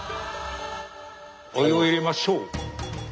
お湯を入れましょう。